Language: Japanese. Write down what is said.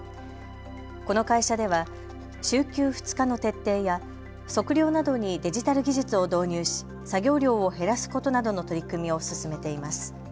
この会社では週休２日の徹底や測量などにデジタル技術を導入し作業量を減らすことなどの取り組みを進めています。